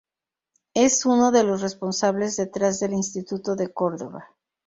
Es uno de los responsables detrás del Instituto de Córdoba.